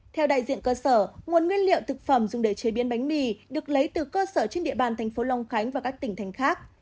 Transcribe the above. theo đại diện cơ sở nguồn nguyên liệu thực phẩm dùng để chế biến bánh mì được lấy từ cơ sở trên địa bàn thành phố long khánh và các tỉnh thành khác